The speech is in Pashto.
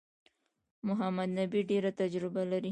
محمد نبي ډېره تجربه لري.